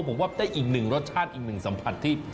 ผมว่าได้อีกหนึ่งรสชาติอีกหนึ่งสัมผัสที่